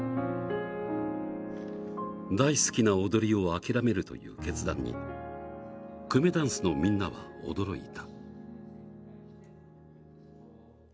大好きな踊りを諦めるという決断にくめだんすのみんなは驚いた。